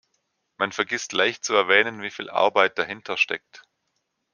Man vergisst leicht zu erwähnen, wieviel Arbeit dahinter steckt.